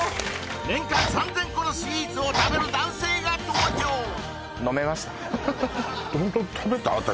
年間３０００個のスイーツを食べる男性が登場私